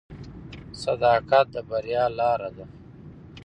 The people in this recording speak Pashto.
صداقت د بریا لاره ده.